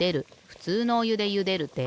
ふつうのおゆでゆでるで。